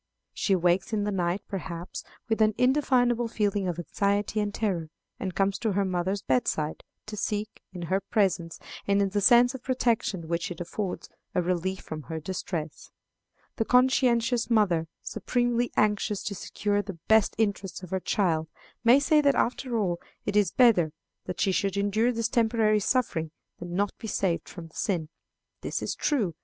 She wakes in the night, perhaps, with an indefinable feeling of anxiety and terror, and comes to her mother's bedside, to seek, in her presence, and in the sense of protection which it affords, a relief from her distress. The conscientious mother, supremely anxious to secure the best interests of her child, may say that, after all, it is better that she should endure this temporary suffering than not be saved from the sin. This is true.